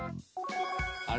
あれ？